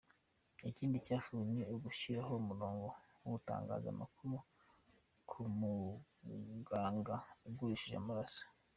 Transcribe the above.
Ikindi cyakozwe ni ugushyiraho umurongo wo gutangaza amakuru ku muganga ugurishije amaraso.